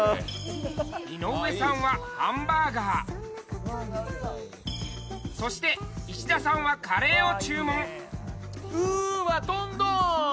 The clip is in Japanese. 井上さんはハンバーガー、そして、石田さんはカレーを注文。